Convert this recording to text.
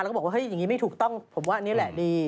แล้วก็บอกว่าเฮ้ยอย่างนี้ไม่ถูกต้องผมว่าอันนี้แหละดี